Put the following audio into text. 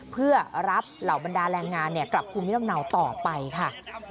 เพื่อรับเหล่าบรรดาแรงงานกลับภูมิลำเนาต่อไปค่ะ